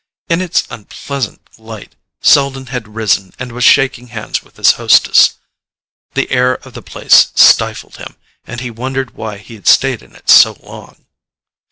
In its unpleasant light Selden had risen and was shaking hands with his hostess. The air of the place stifled him, and he wondered why he had stayed in it so long.